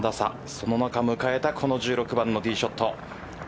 その中迎えたこの１６番のティーショット。